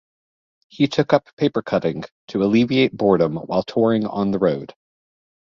He took up papercutting to alleviate boredom while touring on the road.